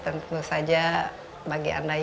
dan tentu saja